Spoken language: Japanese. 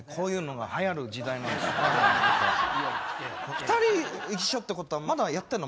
２人一緒ってことはまだやってんの？